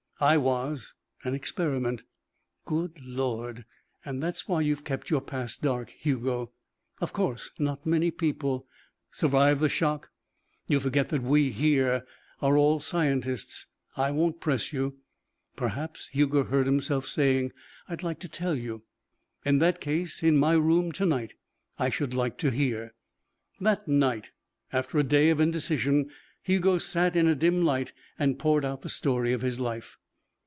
I was an experiment." "Good Lord! And and that's why you've kept your past dark, Hugo?" "Of course. Not many people " "Survive the shock? You forget that we here are all scientists. I won't press you." "Perhaps," Hugo heard himself saying, "I'd like to tell you." "In that case in my room to night. I should like to hear." That night, after a day of indecision, Hugo sat in a dim light and poured out the story of his life.